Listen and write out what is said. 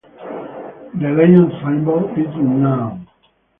The legion symbol is unknown.